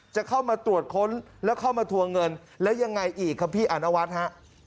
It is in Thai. จะเข้ามาตรวจค้นแล้วเข้ามาทวงเงินแล้วยังไงอีกครับพี่อานวัฒน์ฮะ